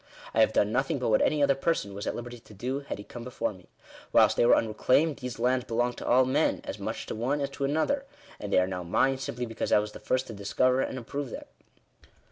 I have done nothing but what any other person was at liberty to do had he come before me. Whilst they were unreclaimed, these lands belonged to all men — as much to one as to another — and they are now mine simply because I was the first to discover and improve them."